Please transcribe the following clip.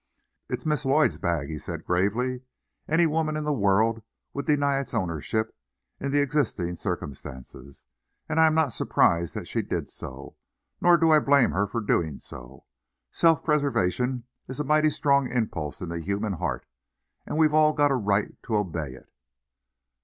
"It's Miss Lloyd's bag," he said gravely. "Any woman in the world would deny its ownership, in the existing circumstances, and I am not surprised that she did so. Nor do I blame her for doing so. Self preservation is a mighty strong impulse in the human heart, and we've all got a right to obey it."